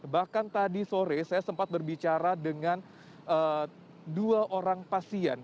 bahkan tadi sore saya sempat berbicara dengan dua orang pasien